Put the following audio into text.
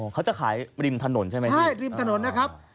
เขาจะขายริมถนนใช่ไหมพี่อเจมส์ใช่ริมถนนนะครับ